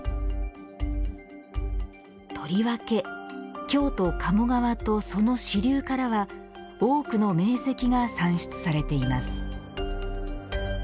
とりわけ京都・鴨川とその支流からは多くの名石が産出されています。